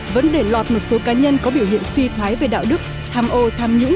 vẫn để lọt một số cá nhân có biểu hiện suy thoái về đạo đức tham ô tham nhũng